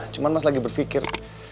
cuma mas lagi berfikir